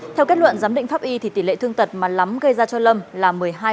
theo kết luận giám định pháp y thì tỷ lệ thương tật mà lắm gây ra cho lâm là một mươi hai